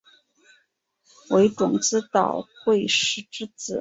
为种子岛惠时之子。